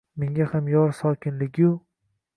Menga ham yor sokinligu